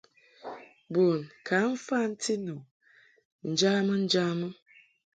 Bun ka mfantikɛd nu njamɨ njamɨ.